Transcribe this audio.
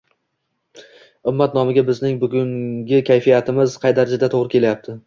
ummat nomiga bizning bugungi kayfiyatimiz qay darajada to‘g‘ri kelyapti?